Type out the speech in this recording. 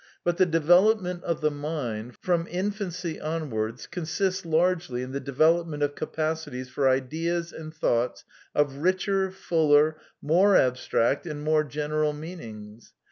But the development of the mind, from in fancy onwards, consists largely in the development of capacities for ideas and thoughts of richer, fuller, more abstract and more general meanings.